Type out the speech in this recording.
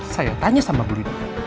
saya tanya sama buli dia